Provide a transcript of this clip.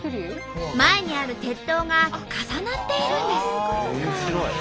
前にある鉄塔が重なっているんです。